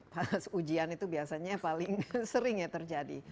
pas ujian itu biasanya paling sering ya terjadi